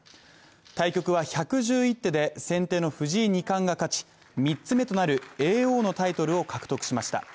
対局は１１１手で先手の藤井二冠が勝ち、３つ目となる叡王のタイトルを獲得しました。